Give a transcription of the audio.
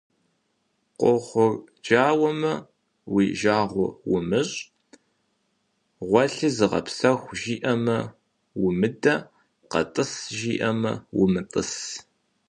Къохъурджауэмэ, уи жагъуэ умыщӏ, гъуэлъи зыгъэпсэху жиӏэмэ – умыдэ, къэтӏыс жиӏэмэ – умытӏыс.